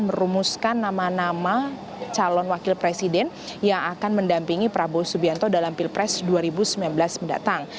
merumuskan nama nama calon wakil presiden yang akan mendampingi prabowo subianto dalam pilpres dua ribu sembilan belas mendatang